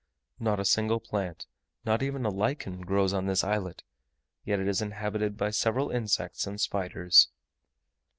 Not a single plant, not even a lichen, grows on this islet; yet it is inhabited by several insects and spiders.